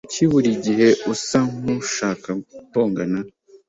Kuki buri gihe usa nkushaka gutongana?